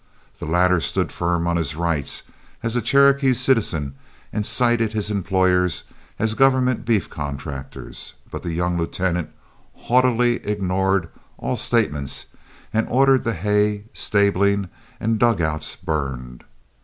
The latter stood firm on his rights as a Cherokee citizen and cited his employers as government beef contractors, but the young lieutenant haughtily ignored all statements and ordered the hay, stabling, and dug outs burned.